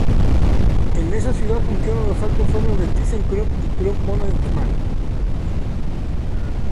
En esta ciudad funcionan los altos hornos de Thyssen-Krupp y Krupp-Mannesmann.